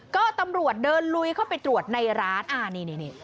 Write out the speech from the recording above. ก็ตำรวจเดินลุยเข้าไปตรวจในร้านนี่